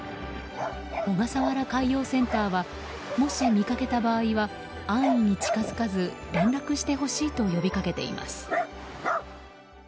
小笠原海洋センターはもし見かけた場合は安易に近づかず連絡してほしいと呼びかけています。